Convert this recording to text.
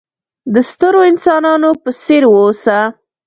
د سترو انسانانو په څېر وه اوسه!